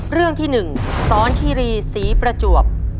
เรื่องที่๑สอนคิรีศรีประจวบ